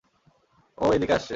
ও এদিকে আসছে।